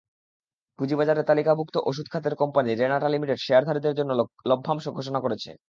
পুঁজিবাজারে তালিকাভুক্ত ওষুধ খাতের কোম্পানি রেনাটা লিমিটেড শেয়ারধারীদের জন্য লভ্যাংশ ঘোষণা করেছে।